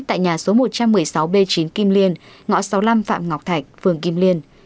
tại nhà số một trăm một mươi sáu b chín kim liên ngõ sáu mươi năm phạm ngọc thạch phường kim liên